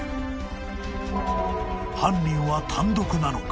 ［犯人は単独なのか？］